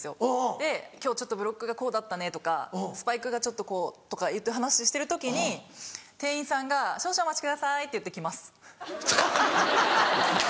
で「今日ちょっとブロックがこうだったね」とか「スパイクがちょっとこう」とかいう話してる時に店員さんが「少々お待ちください」って言って来ます。